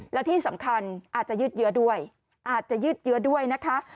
แล้วที่สำคัญอาจจะยืดเยอะด้วยอาจจะยืดเยอะด้วยนะคะ